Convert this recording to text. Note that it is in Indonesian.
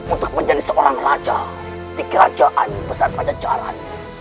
untuk menjadi seorang raja di kerajaan besar pajajaran